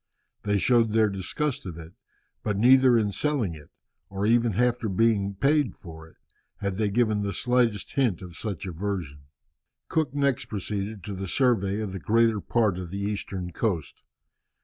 They showed their disgust of it, but neither in selling it, or even after having been paid for it, had they given the slightest hint of such aversion." Cook next proceeded to the survey of the greater part of the eastern coast.